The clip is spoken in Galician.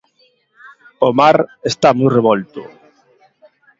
O mar está moi revolto.